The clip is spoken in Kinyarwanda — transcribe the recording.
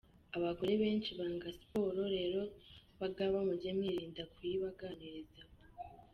Abagore benshi banga siporo rero bagabo mujye mwirinda kuyibaganirizaho.